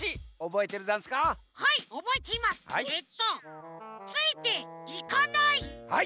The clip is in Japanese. えっとついて「いか」ない！